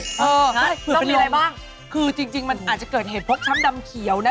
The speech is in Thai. เออใช่แล้วมีอะไรบ้างคือจริงจริงมันอาจจะเกิดเหตุพกช้ำดำเขียวนะ